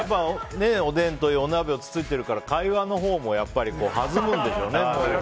おでんというお鍋をつついてるから会話のほうも弾むんですよね。